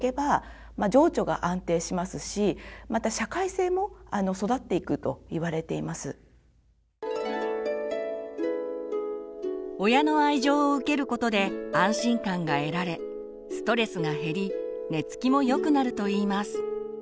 それが順調に育っていけば親の愛情を受けることで安心感が得られストレスが減り寝つきもよくなるといいます。